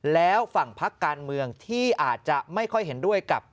แล้วฝั่งพักการเมืองที่อาจจะไม่ค่อยเห็นด้วยกับ